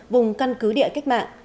vùng căn cứ địa cách mạng